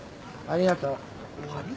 「ありがとう」って。